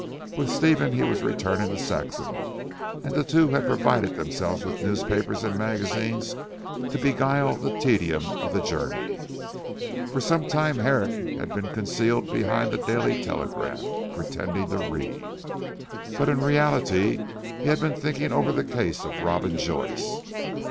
With Stephen he was returning to Saxham, and the two had provided themselves with newspapers and magazines to beguile the tedium of the journey. For some time Herrick had been concealed behind the Daily Telegraph, pretending to read. But in reality he had been thinking over the case of Robin Joyce.